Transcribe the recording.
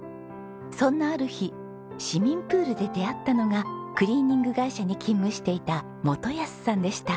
そんなある日市民プールで出会ったのがクリーニング会社に勤務していた基保さんでした。